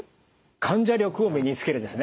患者力を身につけるですね！